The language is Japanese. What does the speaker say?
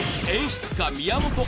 演出家宮本亞